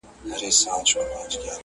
هر مشکل ته پیدا کېږي یوه لاره!